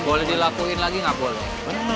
boleh dilakuin lagi nggak boleh